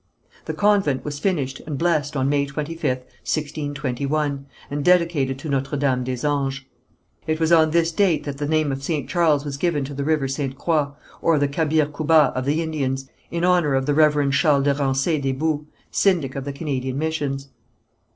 The convent was finished and blessed on May 25th, 1621, and dedicated to Notre Dame des Anges. It was on this date that the name of St. Charles was given to the river Ste. Croix, or the Cabir Coubat of the Indians, in honour of the Reverend Charles de Ransay des Boues, syndic of the Canadian missions.